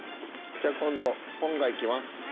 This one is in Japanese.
じゃあ今度ぽんがいきます。